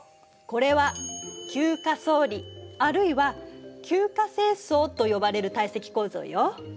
これは級化層理あるいは級化成層と呼ばれる堆積構造よ。